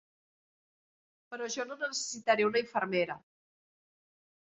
Però jo no necessitaré una infermera.